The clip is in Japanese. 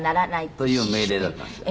という命令だったんですよ。